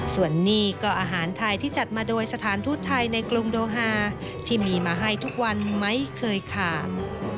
ส่วนนี้ก็อาหารไทยที่จัดมาโดยสถานทูตไทยในกรุงโดฮาที่มีมาให้ทุกวันไม่เคยขาด